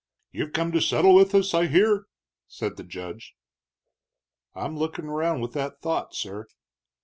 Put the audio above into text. "You've come to settle with us, I hear?" said the judge. "I'm looking around with that thought, sir."